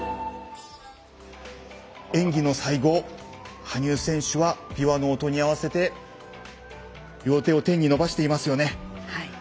演技の最後、羽生選手は琵琶の音に合わせて両手を天に伸ばしていますよね。